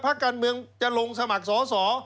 พักการเมืองจะลงสมัครสอสอ